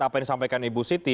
apa yang disampaikan ibu siti